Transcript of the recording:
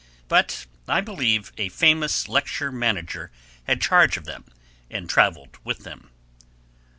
But I believe a famous lecture manager had charge of them and travelled with them.